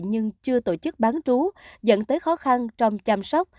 nhưng chưa tổ chức bán trú dẫn tới khó khăn trong chăm sóc